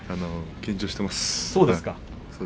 緊張しています。